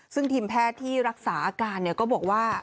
ซึ่งทีมแพทย์ที่รักษาอาการก็บอกว่า